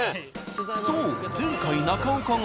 そう前回中岡が。